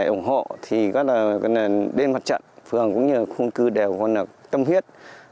ủng hộ đến mặt trận phường cũng như khung cư đều tâm huyết